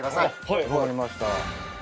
はい分かりました。